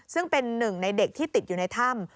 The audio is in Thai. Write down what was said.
ซึ่งเป็นหนึ่งในเด็กที่ติดอยู่ในถ้ำ